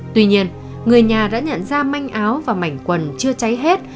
tuy nhiên người nhà đã nhận ra manh áo và mảnh quần chưa cháy hết